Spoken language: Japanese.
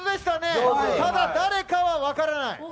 ただ、誰かは分からない？